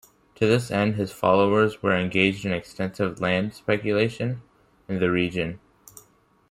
To this end, his followers were engaged in extensive land speculation in the region.